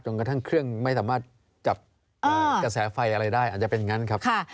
กระทั่งเครื่องไม่สามารถจับกระแสไฟอะไรได้อาจจะเป็นอย่างนั้นครับ